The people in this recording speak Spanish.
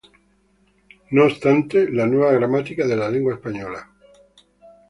No obstante, la "Nueva gramática de la lengua española.